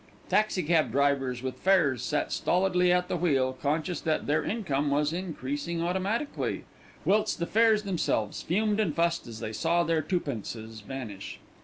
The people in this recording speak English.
Taxicab drivers with fares sat stolidly at the wheel, conscious that their income was increasing automatically, whilst the fares themselves fumed and fussed as they saw their twopences vanish.